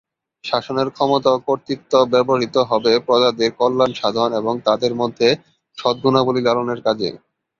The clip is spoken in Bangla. শাসনের ক্ষমতা ও কর্তৃত্ব ব্যবহূত হবে প্রজাদের কল্যাণসাধন এবং তাদের মধ্যে সদগুণাবলি লালনের কাজে।